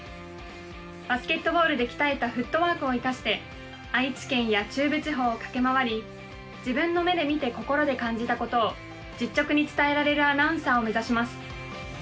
バスケットボールで鍛えたフットワークを生かして愛知県や中部地方を駆け回り自分の目で見て心で感じたことを実直に伝えられるアナウンサーを目指します。